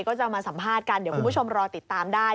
ก็จะมาสัมภาษณ์กันเดี๋ยวคุณผู้ชมรอติดตามได้